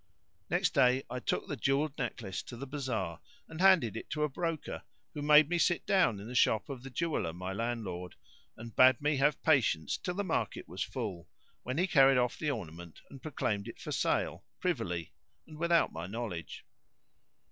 Next day I took the jewelled necklace to the bazar and handed it to a broker who made me sit down in the shop of the jeweller, my landlord, and bade me have patience till the market was full,[FN#594] when he carried off the ornament and proclaimed it for sale, privily and without my knowledge.